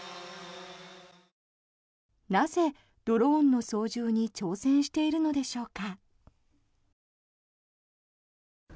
なぜ、ドローンの操縦に挑戦しているのでしょうか。